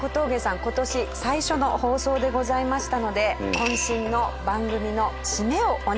今年最初の放送でございましたので渾身の番組の締めをお願い致します。